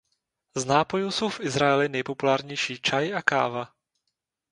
Z nápojů jsou v Izraeli nejpopulárnější čaj a káva.